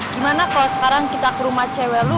gimana kalo sekarang kita ke rumah cewek lo